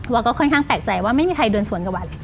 วาก็ค่อนข้างแปลกใจว่าไม่มีใครเดินสวนกับวันเลย